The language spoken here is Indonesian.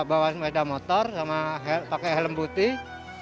bawa sepeda motor pakai helm putih